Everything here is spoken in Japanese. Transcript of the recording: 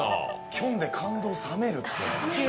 きょんで感動冷めるって。